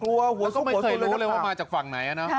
กลัวหัวสุกปนตร์แล้วก็ไม่เคยรู้เลยว่ามาจากฝั่งไหนนั่นนะ